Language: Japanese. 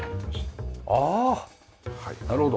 ああなるほど！